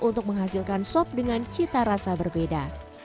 untuk menghasilkan sop dengan cita rasa berbeda